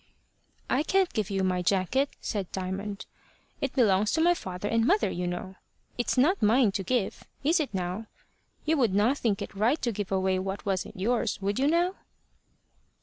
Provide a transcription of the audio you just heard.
"I can't give you my jacket," said Diamond. "It belongs to my father and mother, you know. It's not mine to give. Is it now? You would not think it right to give away what wasn't yours would you now?"